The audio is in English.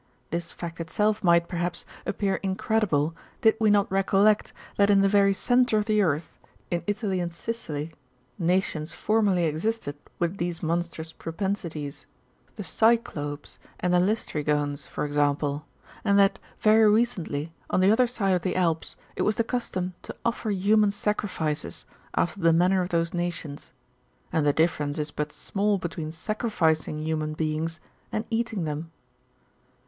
^^ This fact itself might, perhaps, appear in credible, did we not recollect, that in the very centre of the earth, in Italy and Sicily, nations formerly existed with these monstrous propensities, the Cyclopes, ^° and the Laestrygones, for example ; and that, very recently, on the other side of the Alps, it was the custom to offer human sacrifices, after the manner of those nations ;^^ and the difference is but small between sacrificing human beings and eating them.